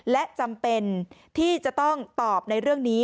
และจำเป็นที่จะต้องตอบในเรื่องนี้